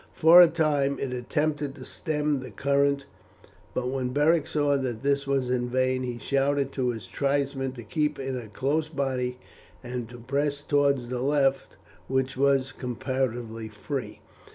For a time it attempted to stem the current; but when Beric saw that this was in vain he shouted to his tribesmen to keep in a close body and to press towards the left, which was comparatively free.